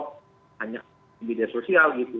banyak media sosial gitu